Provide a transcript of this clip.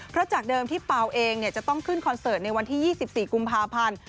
เพราะจากเดิมที่เปล่าเองจะต้องขึ้นคอนเสิร์ตในวันที่๒๔กุมภาพันธ์